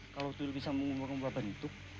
kalau tuyul bisa mengubah bentuk